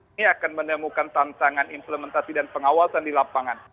ini akan menemukan tantangan implementasi dan pengawasan di lapangan